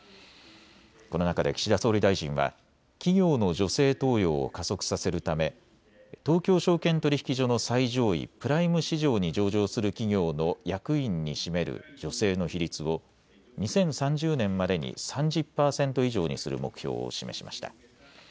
この中で岸田総理大臣は企業の女性登用を加速させるため、東京証券取引所の最上位、プライム市場に上場する企業の役員に占める女性の比率を２０３０年までに３０％以上にする目標を示しました。